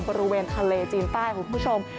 บริเวณทะเลจีนใต้คุณผู้ชม